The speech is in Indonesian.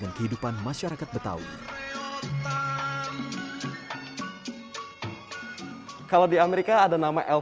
gitu jago silat tapi beliau nggak